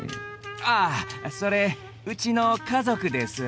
あそれうちの家族です。